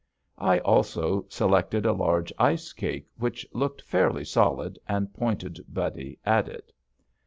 I also selected a large ice cake, which looked fairly solid, and pointed Buddy at it.